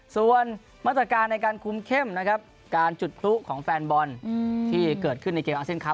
ส่วนมาตรการในการคุมเข้มนะครับการจุดพลุของแฟนบอลที่เกิดขึ้นในเกมอาเซียนคล